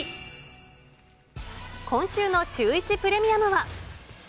今週のシューイチプレミアムは。